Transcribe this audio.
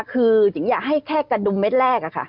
คือจิ๋งอยากให้แค่กระดุมเม็ดแรก